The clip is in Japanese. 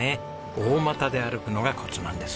大股で歩くのがコツなんです。